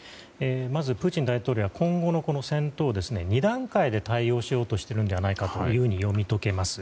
まずプーチン大統領は今後の戦闘を２段階で対応しているんじゃないかというふうに読み解けます。